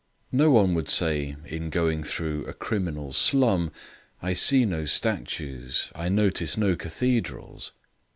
No one would say, in going through a criminal slum, "I see no statues. I notice no cathedrals."